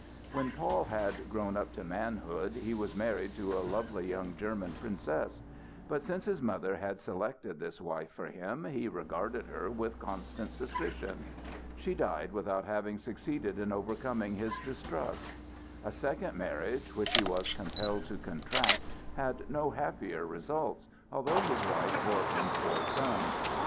When Paul had grown up to manhood, he was married to a lovely young German princess; but since his mother had selected this wife for him, he regarded her with constant suspicion. She died without having succeeded in overcoming his distrust. A second marriage, which he was compelled to contract, had no happier results, although his wife bore him four sons.